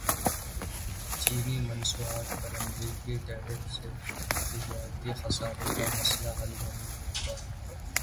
چینی مصنوعات پر امریکی ٹیرف سے تجارتی خسارے کا مسئلہ حل نہیں ہوگا